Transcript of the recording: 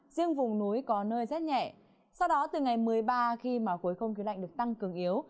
riêng vùng núi có nơi rét nhẹ sau đó từ ngày một mươi ba khi mà khối không khí lạnh được tăng cường yếu